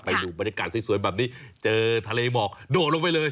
ดูบรรยากาศสวยแบบนี้เจอทะเลหมอกโดดลงไปเลย